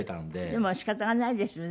でも仕方がないですよね